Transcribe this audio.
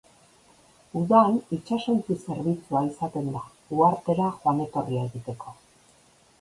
Udan itsasontzi zerbitzua izaten da, uhartera joan-etorria egiteko.